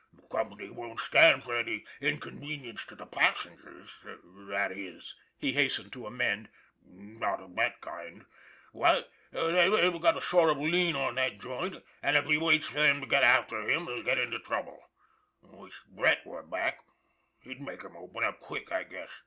" The company won't stand for any inconvenience to the passengers that is " he hastened to amend, " not of this kind. What ? TheyVe got a sort of lien on that joint, and if he waits for them to get after him he'll get into trouble v Wish Brett were back he'd make him open up quick, I guess.